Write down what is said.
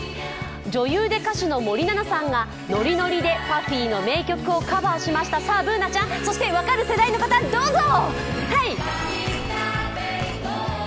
女優で歌手の森七菜さんがノリノリでＰＵＦＦＹの名曲をカバーしましたさあ、Ｂｏｏｎａちゃんそして分かる世代の方、どうぞ！